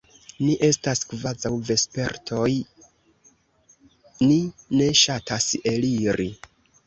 Ni estas kvazaŭ vespertoj: ni ne ŝatas eliri.